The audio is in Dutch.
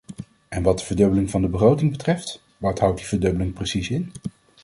En wat de verdubbeling van de begroting betreft, wat houdt die verdubbeling precies in?